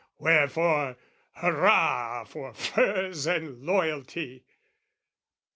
"Wherefore hurra for furze and loyalty!"